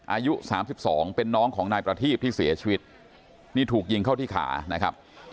อายุสามสิบสองเป็นน้องของนายประทีบที่เสียชีวิตนี่ถูกยิงเข้าที่ขานะครับ